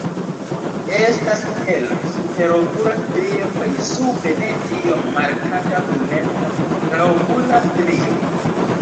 Estas hela superokula strio kaj sube ne tiom markata bruneca traokula strio.